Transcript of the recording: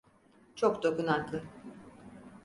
Çok dokunaklı.